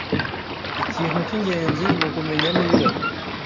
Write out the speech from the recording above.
Ikintu cyingenzi nukumenya niba